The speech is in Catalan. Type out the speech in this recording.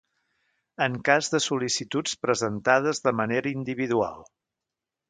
En cas de sol·licituds presentades de manera individual.